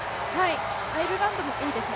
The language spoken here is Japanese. アイルランドもいいですね。